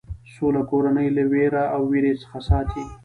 سوله کورنۍ له وېره او وېرې څخه ساتي.